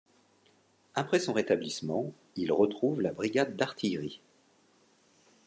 Après son rétablissement, il retrouve la brigade d'artillerie.